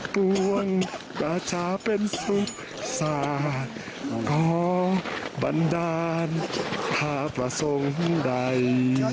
ปวงราชาเป็นสุขศาสตร์ขอบันดาลภาพประสงค์ใด